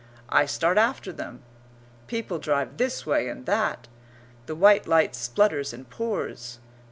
I start after them. People drive this way and that. The white light splutters and pours.